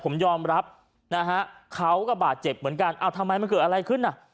ผมยอมรับนะฮะเขาก็บาดเจ็บเหมือนกันเอ้าทำไมมันเกิดอะไรขึ้นน่ะ